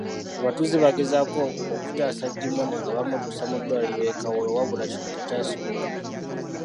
Abatuuze baagezaako okutaasa Gimmony nga bamuddusa mu ddwaliro e Kawolo wabula kino tekyasoboka.